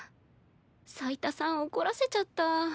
斉田さん怒らせちゃった。